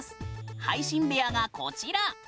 配信部屋がこちら。